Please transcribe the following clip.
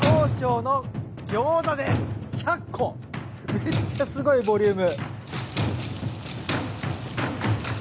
めっちゃすごいボリューム。